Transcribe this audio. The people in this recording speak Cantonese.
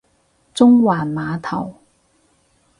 中環碼頭